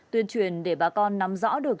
tuyên truyền để bà con nắm rõ được